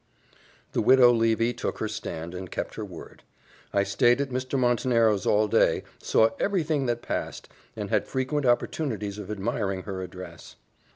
The Widow Levy took her stand, and kept her word. I stayed at Mr. Montenero's all day, saw every thing that passed, and had frequent opportunities of admiring her address.